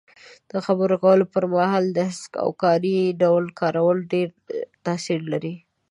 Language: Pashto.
د خبرو کولو پر مهال د هسک او کاري ډول کارول ډېر تاثیر لري.